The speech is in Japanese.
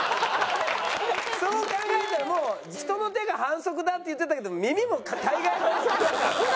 そう考えたらもう人の手が反則だって言ってたけど耳も大概反則だから。